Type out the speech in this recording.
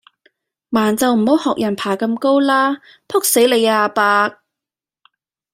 盲就唔好學人爬咁高啦，仆死你呀阿伯